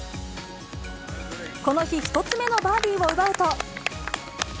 この日、１つ目のバーディーを奪うと。